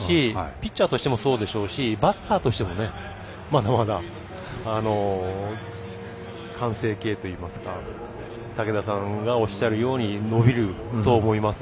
ピッチャーとしてもそうですしバッターとしてもまだまだ、完成形といいますか武田さんがおっしゃるように伸びると思います。